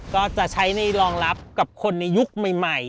ก็จะใช้ในรองรับกับคนในยุคใหม่